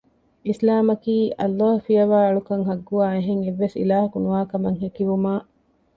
އިސްލާމަކީ، ﷲ ފިޔަވައި އަޅުކަން ޙައްޤުވާ އެހެން އެއްވެސް އިލާހަކު ނުވާ ކަމަށް ހެކިވުމާއި